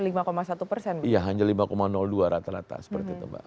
iya hanya lima dua rata rata seperti itu mbak